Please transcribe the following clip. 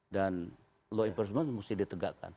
dan law enforcement mesti ditegakkan